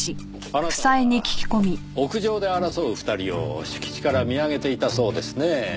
あなたは屋上で争う２人を敷地から見上げていたそうですねぇ？